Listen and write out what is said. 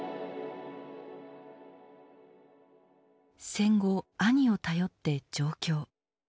戦後兄を頼って上京。